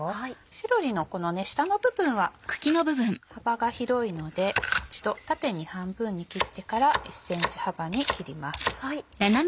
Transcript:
セロリのこの下の部分は幅が広いので一度縦に半分に切ってから１ｃｍ幅に切ります。